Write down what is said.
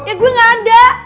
ya gue gak ada